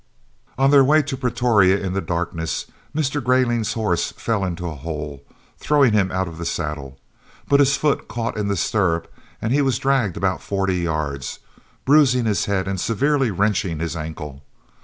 On their way to Pretoria in the darkness, Mr. Greyling's horse fell into a hole, throwing him out of the saddle, but his foot caught in the stirrup and he was dragged about forty yards, bruising his head and severely wrenching his ankle.